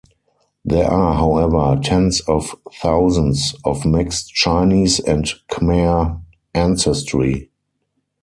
There are, however, tens of thousands of mixed Chinese and Khmer ancestry.